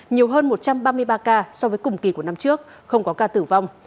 nhiều hơn một trăm ba mươi ba ca so với cùng kỳ của năm trước không có ca tử vong